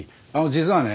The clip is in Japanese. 実はね